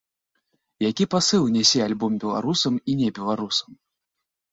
Які пасыл нясе альбом беларусам і небеларусам?